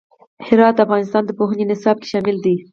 هرات د افغانستان د پوهنې نصاب کې شامل دی.